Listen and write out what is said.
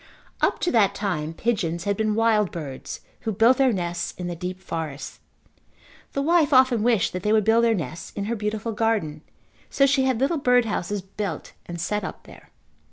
Up to that time pigeons had been wild birds who built their nests in the deep forest. The wife often wished that they would build their nests in her beautiful garden so she had little bird houses built and set up there.